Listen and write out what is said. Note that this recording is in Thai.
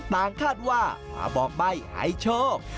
ต่างคาดว่ามาบอกใบให้โชค